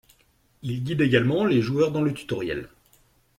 Il guide également les joueurs dans le tutoriel.